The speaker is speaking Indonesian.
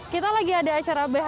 kita lagi ada acara behavi